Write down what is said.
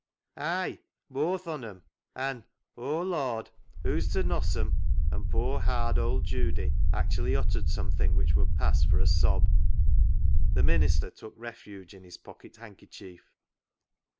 " Ay, booath on 'em. An', O Lord, who's to noss 'em," and poor, hard old Judy actually uttered something which would pass for a sob. The minister took refuge in his pocket handkerchief.